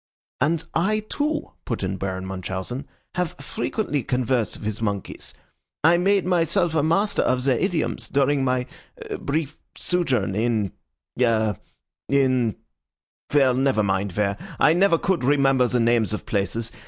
"And I, too," put in Baron Munchausen, "have frequently conversed with monkeys. I made myself a master of their idioms during my brief sojourn in ah in well, never mind where. I never could remember the names of places.